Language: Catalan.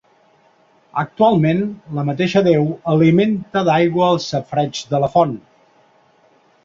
Actualment la mateixa deu alimenta d'aigua el safareig de la font.